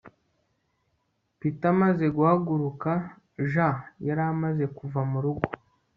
Peter amaze guhaguruka Jean yari amaze kuva mu rugo